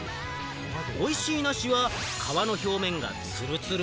おいしい梨は皮の表面がツルツル？